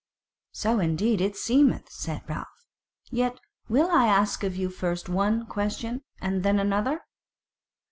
"So indeed it seemeth," said Ralph. "Yet will I ask of you first one question, and then another."